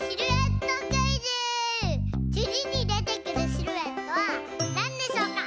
つぎにでてくるシルエットはなんでしょうか？